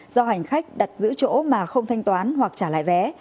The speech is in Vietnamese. do hành khách đặt giữ chỗ mà không thanh toán hoặc trả lại vé